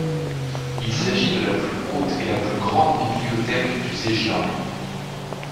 Il s'agit de la plus haute et la plus grande bibliothèque du Zhejiang.